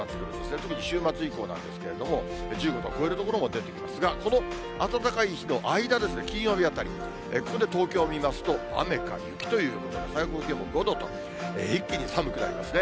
特に週末以降なんですけれども、１５度を超える所も出てきますが、その暖かい日の間、金曜日あたり、ここで東京を見ますと、雨か雪ということで、最高気温も５度と、一気に寒くなりますね。